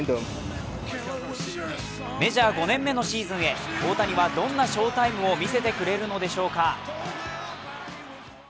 メジャー５年目のシーズンへ、大谷はどんな翔タイムを見せてくれるのでしょうか。